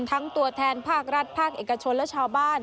ทั้งตัวแทนภาครัฐภาคเอกชนและชาวบ้าน